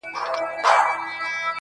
چي زموږ پر خاوره یرغلونه کیږي؛